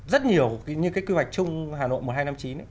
rất nhiều như cái quy hoạch chung hà nội một nghìn hai trăm năm mươi chín ấy